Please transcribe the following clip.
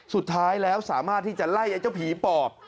สุดท้ายแล้วสามารถที่จะไล่ไอ้เจ้าผีปอบ